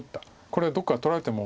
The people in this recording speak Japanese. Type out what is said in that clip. これどっか取られても。